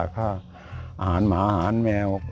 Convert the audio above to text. ให้อาหารหมาให้แมว